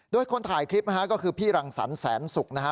โดยคนถ่ายคลิปนะฮะก็คือพี่รังสรรแสนสุกนะฮะ